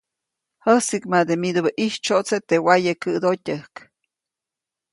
Jäsiʼkmade midubäʼ ʼitsyoʼtseʼ teʼ wayekäʼdotyäjk.